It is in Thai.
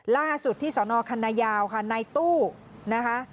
ล่าสุดที่สนคันนายาวค่ะในตู้นะคะ